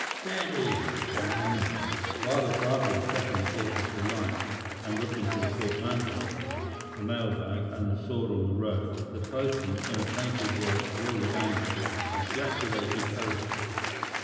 Stea eady! Damn!" While the driver was setting the horses to rights and looking for the portmanteau, the mail bag, and the sword on the road, the postman in a plaintive voice shrill with anger ejaculated oaths.